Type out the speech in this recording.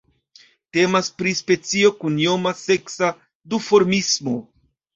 Temas pri specio kun ioma seksa duformismo.